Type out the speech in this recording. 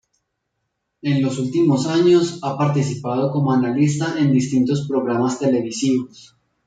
En los últimos años ha participado como analista en distintos programas televisivos.